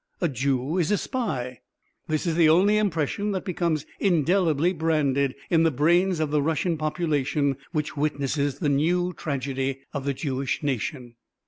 A Jew is a spy, this is the only impression that becomes indelibly branded in the brains of the Russian population which witnesses the new tragedy of the Jewish nation.